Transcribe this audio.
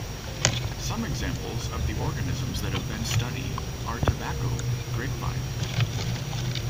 Some examples of the organisms that have been study are Tobacco, grapevine.